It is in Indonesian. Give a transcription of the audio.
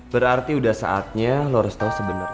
berarti udah saatnya lo harus tau sebenernya